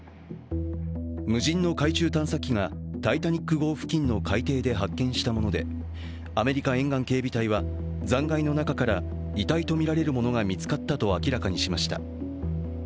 無人の海中探査機が「タイタニック」号付近の海底で発見したもので、アメリカ沿岸警備隊は、残骸の中から遺体とみられるものが見つかったと明らかにしました。